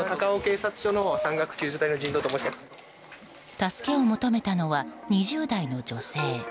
助けを求めたのは２０代の女性。